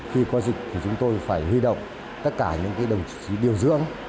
khi qua dịch thì chúng tôi phải huy động tất cả những cái đồng chí điều dưỡng